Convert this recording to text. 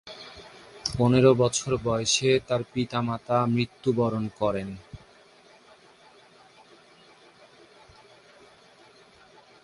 পনেরো বছর বয়সে তার পিতা-মাতা মৃত্যুবরণ করেন।